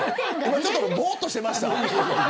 ちょっとぼーっとしてました。